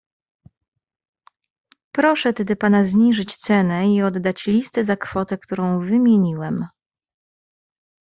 "Proszę tedy pana zniżyć cenę i oddać listy za kwotę, którą wymieniłem."